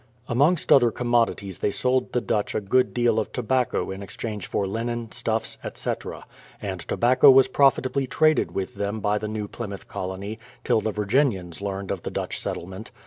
Amongst other commodities they sold the Dutch a good deal of tobacco in exchange for linen, stuffs, etc.; and tobacco was profitably traded with them by the New Plymouth colony, till the Virginians learned of the Dutch settlement.